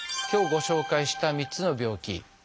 今日ご紹介した３つの病気。